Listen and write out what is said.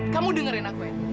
kamu dengerin aku ya